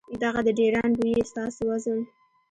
دغه د ډېران بوئي ستاسو وزن ،